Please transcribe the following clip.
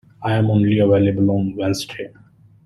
I am only available on Wednesday.